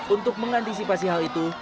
untuk mengantisipasi hal itu